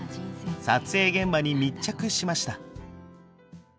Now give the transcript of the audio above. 撮影現場に密着しました。